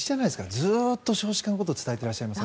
ずっと少子化のことを伝えていらっしゃいません？